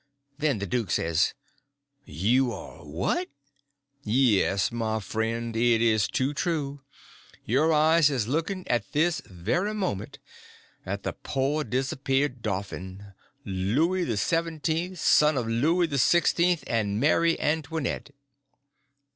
Then the duke says: "You are what?" "Yes, my friend, it is too true—your eyes is lookin' at this very moment on the pore disappeared Dauphin, Looy the Seventeen, son of Looy the Sixteen and Marry Antonette."